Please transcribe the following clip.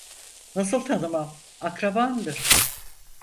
Nasıl tanımam, akrabamdır!